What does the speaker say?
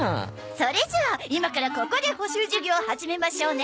それじゃあ今からここで補習授業始めましょうね。